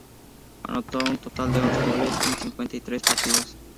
Anotó un total de once goles en cincuenta y tres partidos.